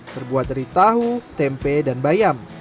terbuat dari tahu tempe dan bayam